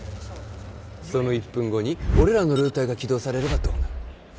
その１分後に俺らのルーターが起動されればどうなる？